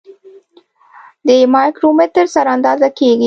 د مایکرومتر سره اندازه کیږي.